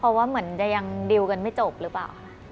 เพราะว่าเหมือนจะยังดิวกันไม่จบหรือเปล่าค่ะ